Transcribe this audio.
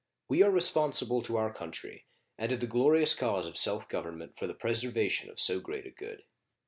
We are responsible to our country and to the glorious cause of self government for the preservation of so great a good.